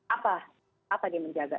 apa apa dia menjaga